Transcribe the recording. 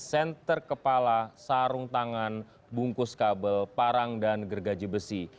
senter kepala sarung tangan bungkus kabel parang dan gergaji besi